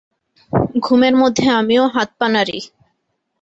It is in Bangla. ঘুমের মধ্যে আমিও হাত-পা নাড়ি।